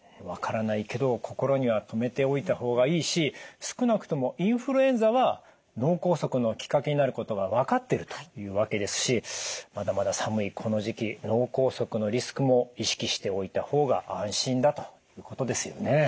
分からないけど心には留めておいた方がいいし少なくともインフルエンザは脳梗塞のきっかけになることが分かってるというわけですしまだまだ寒いこの時期脳梗塞のリスクも意識しておいた方が安心だということですよね。